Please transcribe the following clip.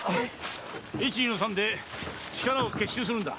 一二の三で力を結集するんだ！